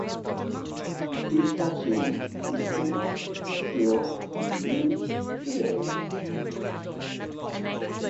This machine is still in use today.